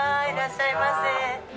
いらっしゃいませ。